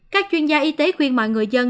các chuyên gia y tế khuyên mọi người dân